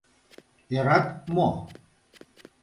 Ӧрат мо?